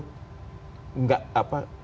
gagasan people power dan sebagainya itu